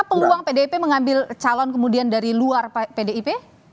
jadi luang pdip mengambil calon kemudian dari luar pdip